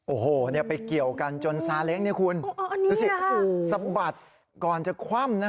โอ้โหเนี้ยไปเกี่ยวกันจนซาเล้งเนี้ยคุณอ๋ออันนี้ค่ะสะบัดก่อนจะคว่ำนะฮะ